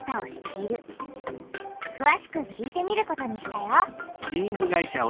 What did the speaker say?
くわしく聞いてみることにしたよ。